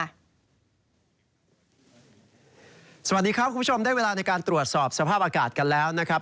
สวัสดีครับคุณผู้ชมได้เวลาในการตรวจสอบสภาพอากาศกันแล้วนะครับ